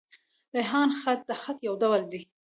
ریحان خط؛ د خط يو ډول دﺉ.